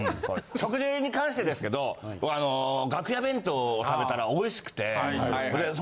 食事に関してですけど楽屋弁当を食べたら美味しくて。